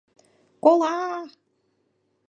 Кола-а-а...